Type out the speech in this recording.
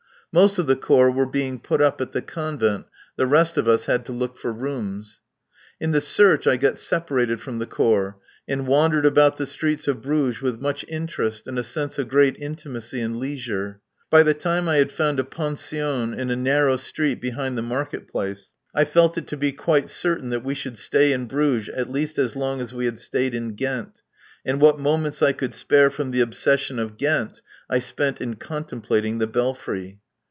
Most of the Corps were being put up at the Convent. The rest of us had to look for rooms. In the search I got separated from the Corps, and wandered about the streets of Bruges with much interest and a sense of great intimacy and leisure. By the time I had found a pension in a narrow street behind the market place, I felt it to be quite certain that we should stay in Bruges at least as long as we had stayed in Ghent, and what moments I could spare from the obsession of Ghent I spent in contemplating the Belfry.